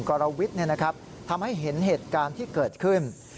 กรวิทย์เนี่ยนะครับทำให้เห็นเหตุการณ์ที่เกิดขึ้น